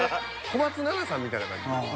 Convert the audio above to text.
小松菜奈さんみたいな感じ。